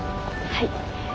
はい。